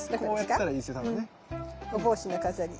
お帽子の飾り。